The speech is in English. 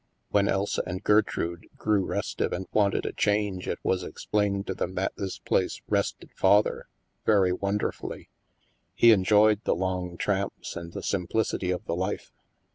When Elsa and Gertrude grew restive and wanted a change, it was explained to them that this place " rested Father '* very wonderfully. He enjoyed the long tramps and the simplicity of the life.